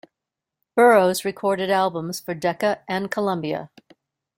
Burrows recorded albums for Decca and Columbia.